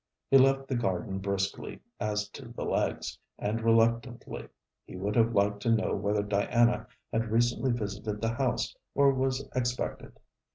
He left the garden briskly, as to the legs, and reluctantly. He would have liked to know whether Diana had recently visited the house, or was expected.